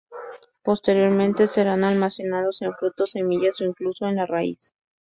Posteriormente serán almacenados en frutos, semillas o incluso en la raíz.